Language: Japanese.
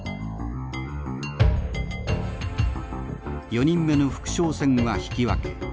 ４人目の副将戦は引き分け